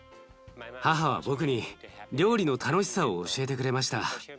母は僕に料理の楽しさを教えてくれました。